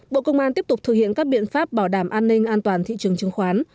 bộ công an tiếp tục thực hiện các biện pháp bảo đảm an ninh an toàn thị trường chứng khoán